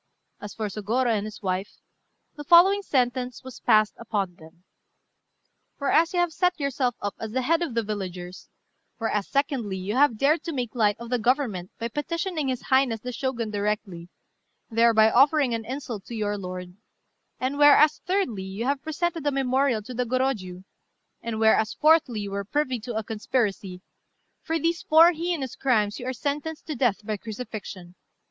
As for Sôgorô and his wife, the following sentence was passed upon them: "Whereas you have set yourself up as the head of the villagers; whereas, secondly, you have dared to make light of the Government by petitioning his Highness the Shogun directly, thereby offering an insult to your lord; and whereas, thirdly, you have presented a memorial to the Gorôjiu; and, whereas, fourthly, you were privy to a conspiracy: for these four heinous crimes you are sentenced to death by crucifixion.